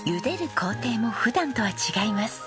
工程も普段とは違います。